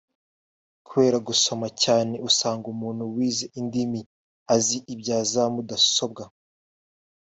Kubera gusoma cyane usanga umuntu wize indimi azi ibya za mudasobwa